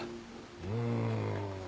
うん。